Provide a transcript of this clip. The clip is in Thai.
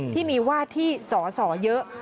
ที่มีว่าที่สอสอเยอะ